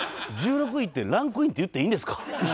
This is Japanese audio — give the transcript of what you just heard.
１６位って「ランクイン」っていっていいんですか？